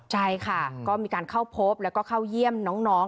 ใช่ค่ะก็มีการเข้าพบแล้วก็เข้าเยี่ยมน้อง